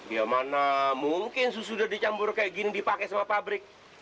ya mana mungkin susu sudah dicampur kayak gini dipakai sama pabrik